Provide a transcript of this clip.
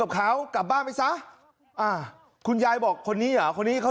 กับเขากลับบ้านไปซะอ่าคุณยายบอกคนนี้เหรอคนนี้เขา